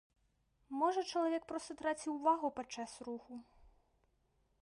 Можа, чалавек проста траціў увагу падчас руху.